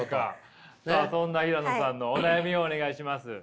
そんな平野さんのお悩みをお願いします。